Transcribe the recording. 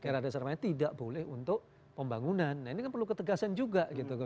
era dasarnya tidak boleh untuk pembangunan nah ini kan perlu ketegasan juga gitu